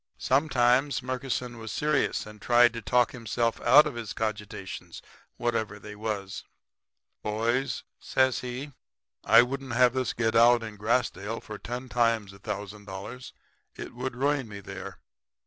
"Sometimes Murkison was serious and tried to talk himself out of his cogitations, whatever they was. "'Boys,' says he, 'I wouldn't have this to get out in Grassdale for ten times a thousand dollars. It would ruin me there.